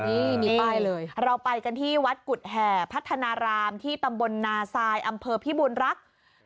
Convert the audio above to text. นี่มีป้ายเลยเราไปกันที่วัดกุฎแห่พัฒนารามที่ตำบลนาซายอำเภอพิบูรณรักษ์